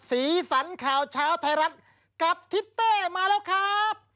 สีสันข่าวเช้าไทยรัฐกับทิศเป้มาแล้วครับ